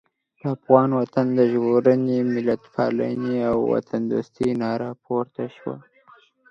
د افغان وطن د ژغورنې، ملتپالنې او وطندوستۍ ناره پورته شوه.